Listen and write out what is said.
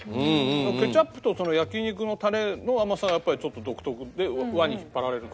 ケチャップと焼き肉のタレの甘さがやっぱりちょっと独特で和に引っ張られる。